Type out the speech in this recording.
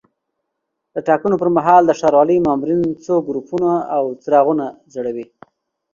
د ټاکنو پر مهال د ښاروالۍ مامورین څو ګروپونه او څراغونه ځړوي.